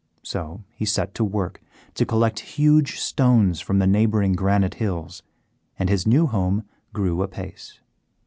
So he set to work to collect huge stones from the neighbouring granite hills, and his new home grew apace.